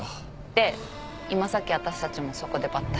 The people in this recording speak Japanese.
で今さっき私たちもそこでばったり。